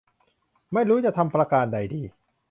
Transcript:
ไม่รู้จะทำประการใดดี